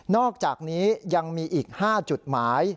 อกจากนี้ยังมีอีก๕จุดหมาย